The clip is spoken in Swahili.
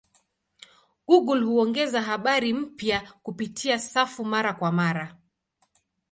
Google huongeza habari mpya kupitia safu mara kwa mara.